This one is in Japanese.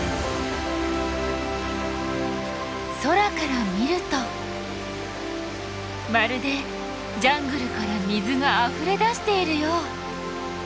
空から見るとまるでジャングルから水があふれ出しているよう。